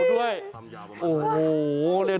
งูเห่าด้วย